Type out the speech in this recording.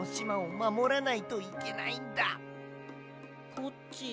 コッチ。